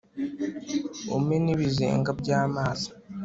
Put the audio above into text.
umpe n'ibizenga by'amazi